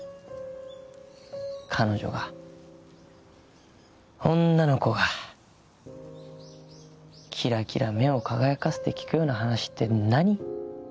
彼女が女の子がキラキラ目を輝かせて聞くような話って何？